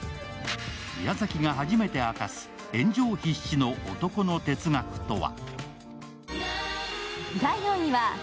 矢崎が初めて明かす炎上必至の男の哲学とは？